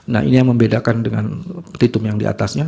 nah ini yang membedakan dengan petitum yang diatasnya